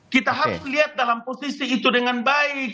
kita harus lihat dalam posisi itu dengan baik